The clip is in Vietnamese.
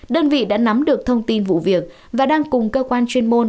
đơn vị đã nắm được thông tin vụ việc và đang cùng cơ quan chuyên môn